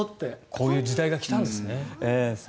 こういう時代が来たんですね。